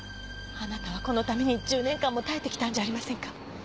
あなたはこのために１０年間も耐えてきたんじゃありませんか。